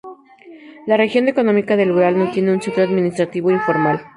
La región económica del Ural no tiene un centro administrativo o informal.